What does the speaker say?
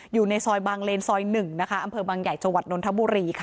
อยู่ในซอยบางเลนซอย๑นะคะอำเภอบางใหญ่จังหวัดนทบุรีค่ะ